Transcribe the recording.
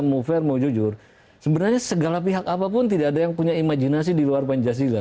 mau fair mau jujur sebenarnya segala pihak apapun tidak ada yang punya imajinasi di luar pancasila